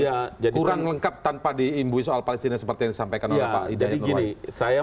yang akan mengajari orang dari agama yang berbeda